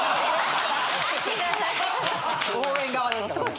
応援側ですから。